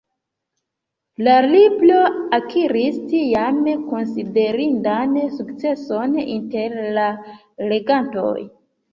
La libro akiris, tiam, konsiderindan sukceson inter la legantoj.